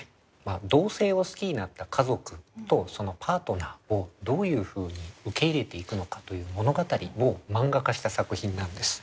同性を好きになった家族とそのパートナーをどういうふうに受け入れていくのかという物語をマンガ化した作品なんです。